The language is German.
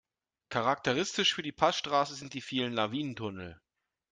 Charakteristisch für die Passstraße sind die vielen Lawinentunnel.